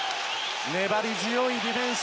粘り強いディフェンス。